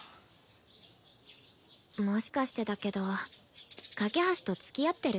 もしかしてだけど架橋とつきあってる？